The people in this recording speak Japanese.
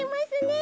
え？